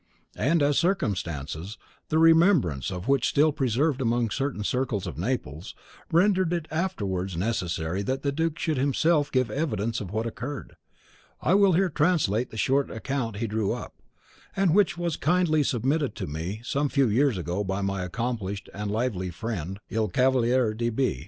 And as circumstances, the remembrance of which is still preserved among certain circles of Naples, rendered it afterwards necessary that the duc should himself give evidence of what occurred, I will here translate the short account he drew up, and which was kindly submitted to me some few years ago by my accomplished and lively friend, Il Cavaliere di B